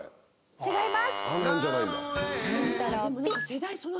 違います。